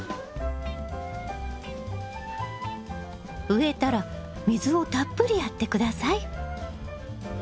植えたら水をたっぷりやって下さい。